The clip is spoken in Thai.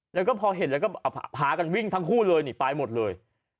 แล้วก็พอเห็นแล้วก็พากันวิ่งทั้งคู่เลยนี่ไปหมดเลย